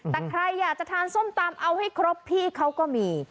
แต่ใครอยากจะทานส้มตำเอาให้ครบพี่เขาก็มี